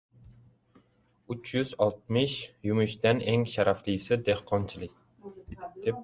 • Uch yuz oltmish yumushdan eng sharaflisi — dehqonchilik.